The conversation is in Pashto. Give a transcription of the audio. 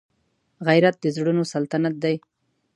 غیرت د زړونو سلطنت دی